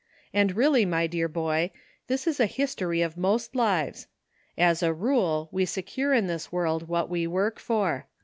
And really, my dear boy, this is a history of most lives. As a rule we secure in this world what we work for.